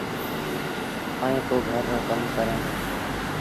ائيٚݩ پو گھر رو ڪم ڪريݩ ديٚݩ۔